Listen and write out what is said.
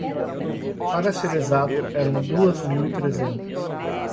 Para ser exato eram duas mil e trezentas.